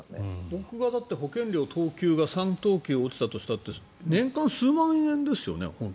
僕が保険料の等級が３等級落ちたとしたって年間数万円ですよね。